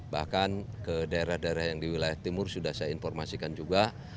bahkan ke daerah daerah yang di wilayah timur sudah saya informasikan juga